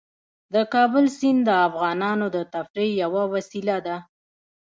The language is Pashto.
د کابل سیند د افغانانو د تفریح یوه وسیله ده.